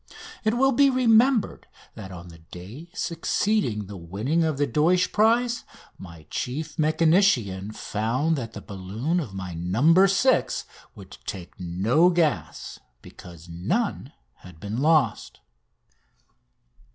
It will be remembered that on the day succeeding the winning of the Deutsch prize my chief mechanician found that the balloon of my "No. 6" would take no gas because none had been lost.